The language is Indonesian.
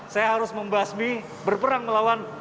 saya harus membasmi berperang melawan